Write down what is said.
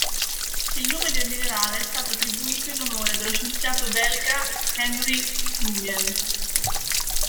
Il nome del minerale è stato attribuito in onore dello scienziato belga Henri Julien.